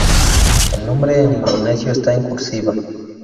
El nombre en indonesio está en cursiva.